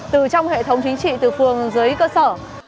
từ trong hệ thống chính trị từ phường dưới cơ sở